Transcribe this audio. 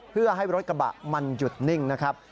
เพื่อให้รถกระบะมันหยุดนิ่งนะครับ